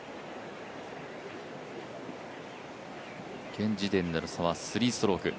現時点での差は３ストローク。